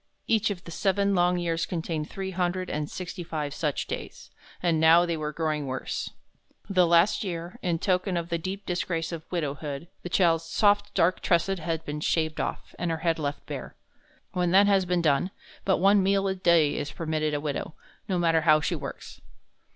Each of the seven long years contained three hundred and sixty five such days, and now they were growing worse. The last year, in token of the deep disgrace of widowhood, the child's soft dark tresses had been shaved off, and her head left bare. When that has been done, but one meal a day is permitted a widow, no matter how she works.